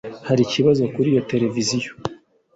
Hari ikibazo kuri iyo tereviziy